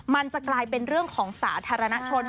มันจะกลายเป็นเรื่องของสาธารณชน